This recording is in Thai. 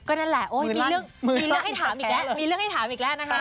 ก็นั่นแหละมีเรื่องให้ถามอีกแล้ว